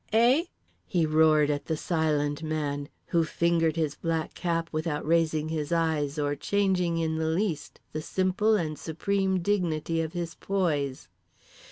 EH?" he roared at The Silent Man, who fingered his black cap without raising his eyes or changing in the least the simple and supreme dignity of his poise.